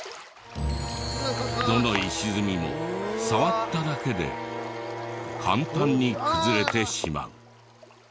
どの石積みも触っただけで簡単に崩れてしまう。